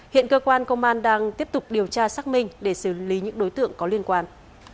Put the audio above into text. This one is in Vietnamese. hiện cơ quan công an đang tiếp tục điều tra xác minh để xử lý những đối tượng có liên quan